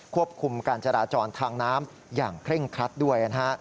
ควบคุมการจราจรทางน้ำอย่างเคร่งครัดด้วยนะฮะ